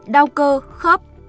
đau cơ khớp